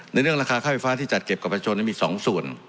ในเรื่องราคาค่าไฟฟ้าที่จัดเก็บกับประชนมี๒ส่วน